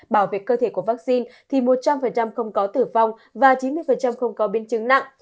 bảo vệ cơ thể của vaccine thì một trăm linh không có tử vong và chín mươi không có biến chứng nặng